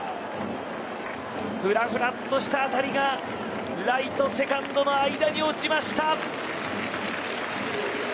フラフラッとした当たりがライトとセカンドの間に落ちました。